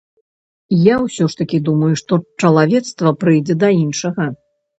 Я ўсё ж такі думаю, што чалавецтва прыйдзе да іншага.